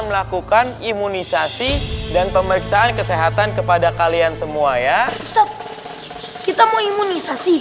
melakukan imunisasi dan pemeriksaan kesehatan kepada kalian semua ya tetap kita mau imunisasi